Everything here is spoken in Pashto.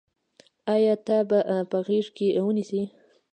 آیا تا به په غېږ کې ونیسي.